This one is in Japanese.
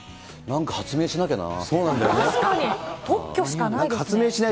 なんか発明しなきゃな。